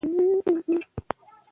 مور د ماشوم خوب ته پاملرنه کوي۔